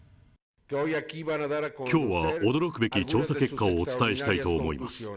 きょうは驚くべき調査結果をお伝えしたいと思います。